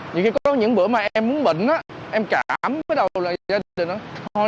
nhiều khi có những bữa mà em muốn bệnh á em cảm cái đầu là gia đình nói